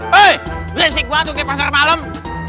hei beresik banget tuh di pasar malam